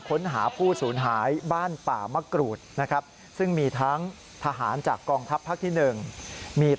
ค้นหาผู้สูญหายบ้านป่ามะกรูดซึ่งมีทั้งทหารจากกองทัพภักดิ์ที่๑